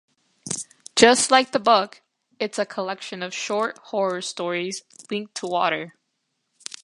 Just like the book, it's a collection of short horror stories linked to water.